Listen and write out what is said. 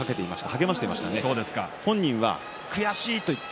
励ましていました。